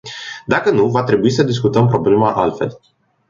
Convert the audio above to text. Dacă nu, va trebui să discutăm problema altfel.